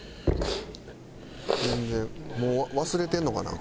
全然もう忘れてんのかな？